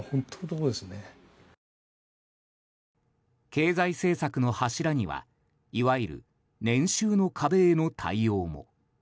経済政策の柱にはいわゆる年収の壁への対応も。